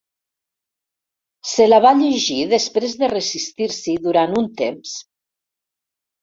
Se la va llegir després de resistir-s'hi durant un temps.